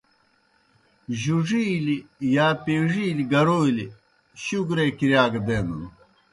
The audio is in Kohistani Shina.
جُڙِیلیْ یا پیڙِیلیْ گَرَولیْ شوگرے کِرِیا گہ دینَن۔